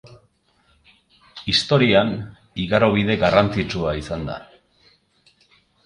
Historian, igarobide garrantzitsua izan da.